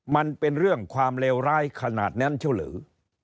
มันเป็นเรื่องความเลวร้ายขนาดนั้นเช่าหรือ